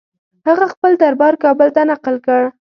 هغه خپل دربار کابل ته نقل کړ.